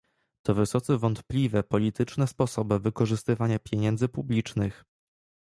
To wysoce wątpliwe polityczne sposoby wykorzystywania pieniędzy publicznych